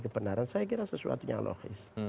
kebenaran saya kira sesuatu yang logis